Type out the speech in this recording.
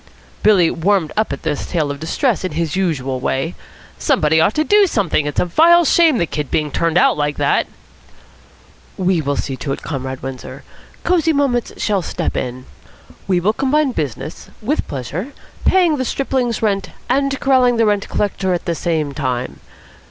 Billy warmed up at this tale of distress in his usual way. "Somebody ought to do something. It's a vile shame the kid being turned out like that." "We will see to it, Comrade Windsor. Cosy Moments shall step in. We will combine business with pleasure, paying the stripling's rent and corralling the rent collector at the same time.